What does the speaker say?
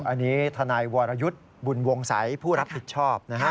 อันนี้ทนายวรยุทธ์บุญวงศัยผู้รับผิดชอบนะฮะ